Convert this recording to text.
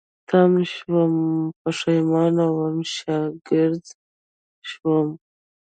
تم شوم، پيښمانه وم، شاګرځ شوم